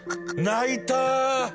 泣いたー！